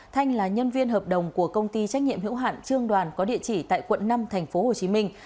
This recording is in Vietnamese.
thanh là nhân viên hợp đồng của công ty trách nhiệm hữu hạn trương đoàn có địa chỉ tại quận năm thành phố hồ chí minh